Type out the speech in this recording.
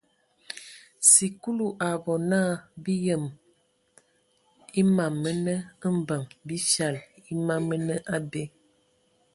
Sikulu a bɔ na bi yem a mam mənə mbəŋ bi fyal e ma mənə abe.